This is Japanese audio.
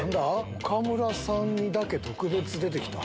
岡村さんにだけ特別出て来た。